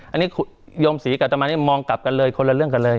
อันนี้โยมศรีกับอัตมานี่มองกลับกันเลยคนละเรื่องกันเลย